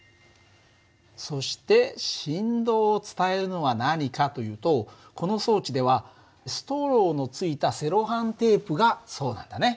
そして振動を伝えるのは何かというとこの装置ではストローのついたセロハンテープがそうなんだね。